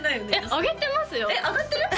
上げてますよ